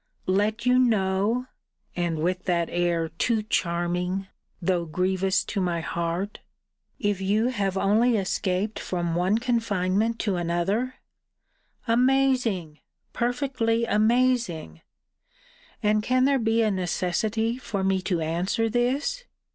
Let you know (and with that air, too, charming, though grievous to my heart!) if you have only escaped from one confinement to another amazing! perfectly amazing! And can there be a necessity for me to answer this?